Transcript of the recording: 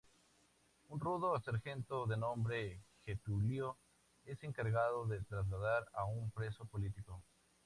Un rudo sargento de nombre Getúlio es encargado de trasladar a un preso político.